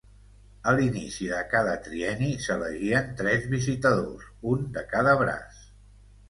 A l'inici de cada trienni s'elegien tres visitadors, un de cada braç.